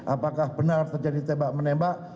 apakah benar terjadi tembak menembak